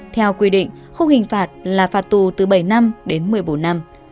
theo quy định không hình phạt là phạt tù từ bảy năm đến một mươi bốn năm